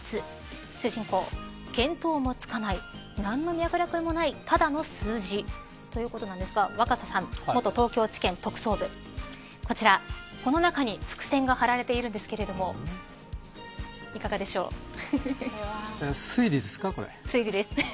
主人公、見当もつかない何の脈略もない、ただの数字ということなんですが若狭さん、元東京地検特捜部この中に伏線が張られているんですけど推理ですか、これ。